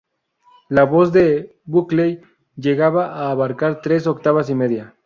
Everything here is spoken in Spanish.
La voz de Buckley llegaba a abarcar tres octavas y media.